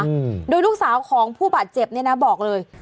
อืมโดยลูกสาวของผู้บาดเจ็บเนี้ยนะบอกเลย